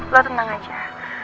lo tenang aja